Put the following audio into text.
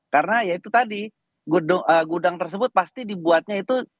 karena ya itu tadi gudang tersebut pasti dibuatnya itu